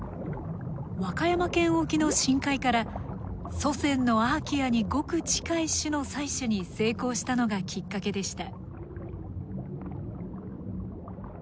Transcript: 和歌山県沖の深海から祖先のアーキアにごく近い種の採取に成功したのがきっかけでした。